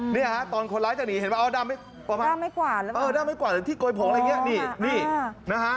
นี่ฮะตอนคนร้ายจะหนีเห็นไหมเอาด้ามไม่กว่าด้ามไม่กว่าที่โกยผงอะไรเงี้ยนี่นะฮะ